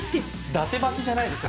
伊達巻きじゃないですよ。